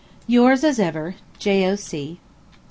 Yours, as ever, J.O.C.